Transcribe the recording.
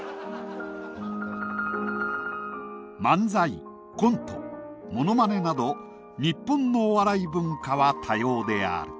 漫才コントモノマネなど日本のお笑い文化は多様である。